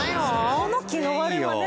この木の割れはね